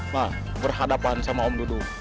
nah berhadapan sama om dudung